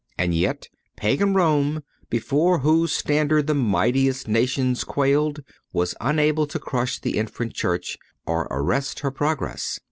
And yet Pagan Rome, before whose standard the mightiest nations quailed, was unable to crush the infant Church or arrest her progress.